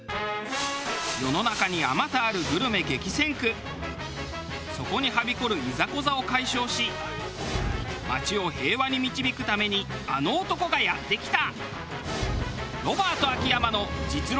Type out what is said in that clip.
世の中にあまたあるそこにはびこるいざこざを解消し街を平和に導くためにあの男がやって来た。